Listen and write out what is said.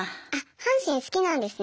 「阪神好きなんですね！